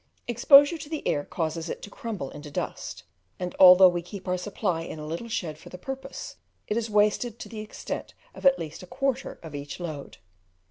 Exposure to the air causes it to crumble into dust, and although we keep our supply in a little shed for the purpose, it is wasted to the extent of at least a quarter of each load.